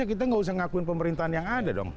kita nggak usah ngakuin pemerintahan yang ada dong